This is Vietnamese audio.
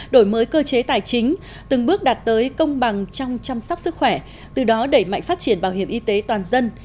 đổi mới cơ chế tài chính từng bước đạt tới công bằng trong chăm sóc sức khỏe từ đó đẩy mạnh phát triển bảo hiểm y tế toàn dân